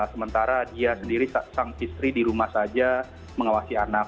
sementara dia sendiri sang istri di rumah saja mengawasi anak